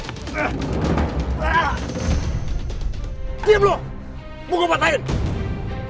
sekalian lagi lo sentuh gue gue lapar di polisi